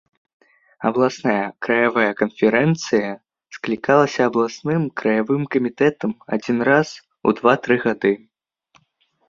Абласная, краявая канферэнцыя склікаліся абласным, краявым камітэтам адзін раз у два-тры гады.